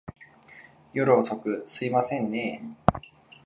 夜遅く、すいませんねぇ。